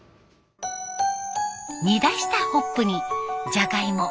煮出したホップにじゃがいも